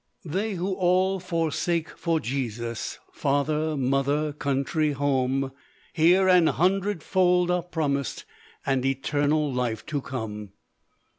They who all forsake for Jesus, Father, mother, country, home, Here an hundred fold are promised, And eternal life to come.